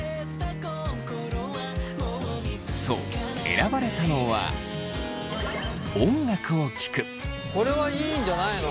そう選ばれたのはこれはいいんじゃないの？